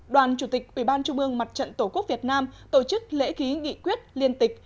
đoàn chủ tịch ủy ban trung ương mặt trận tổ quốc việt nam tổ chức lễ ký nghị quyết liên tịch